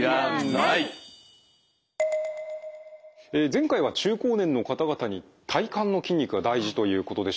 前回は中高年の方々に体幹の筋肉が大事ということでしたがね